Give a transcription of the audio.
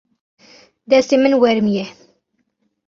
Destê min werimiye.